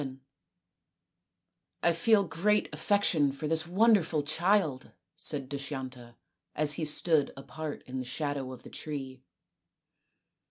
VII " I feel great affection for this wonderful child," said Dushyanta, as he stood apart in the shadow of the tree.